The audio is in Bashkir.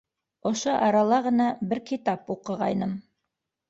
Ошо арала ғына бер китап уҡығайным.